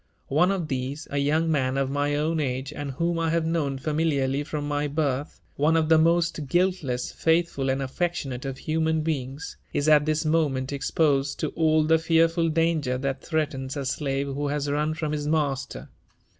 One of these, a young man of my own age, and whom I have known familiarly from my birth, — one of the most guiltless, faithful, and affectionate of human beings, — is at this moment exposed to all the fearful danger that threatens a slave who has run from his master.